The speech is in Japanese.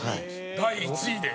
第１位で。